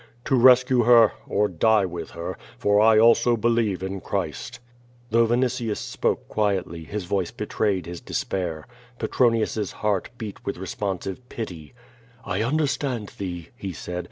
"To rescue her, or die with her, for I also believe in Christ." Though Vinitius spoke quietly, his voice betrayed his despair. Petronius's heart beat with responsive pity "I understand thee," he said.